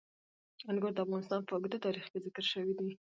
انګور د افغانستان په اوږده تاریخ کې ذکر شوی دی.